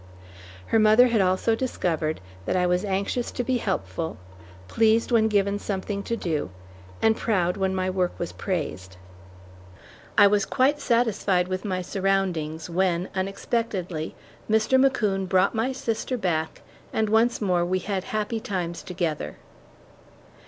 Her mother had also discovered that I was anxious to be helpful, pleased when given something to do, and proud when my work was praised. I was quite satisfied with my surroundings, when, unexpectedly, Mr. McCoon brought my sister back, and once more we had happy times together.